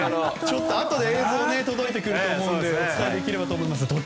あとで映像が届くと思うのでお伝えできればと思います。